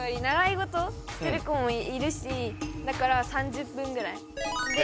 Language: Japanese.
ごとしてる子もいるしだから３０分ぐらい。